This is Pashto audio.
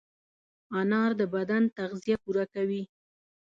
انار د بدن تغذیه پوره کوي.